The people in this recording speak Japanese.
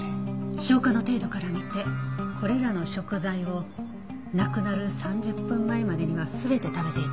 消化の程度から見てこれらの食材を亡くなる３０分前までには全て食べていたはずだから。